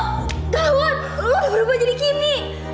wah gawat lo udah berubah jadi kimik